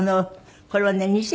これはね